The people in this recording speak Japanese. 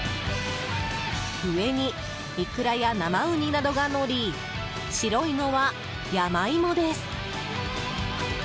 上に、イクラや生ウニなどがのり白いのはヤマイモです。